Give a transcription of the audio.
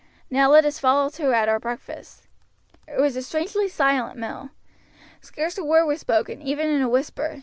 Now let us fall to at our breakfast." It was a strangely silent meal. Scarce a word was spoken, even in a whisper.